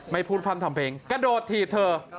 ไม่พูดพร่ำทำเพลงกระโดดถีบเธอ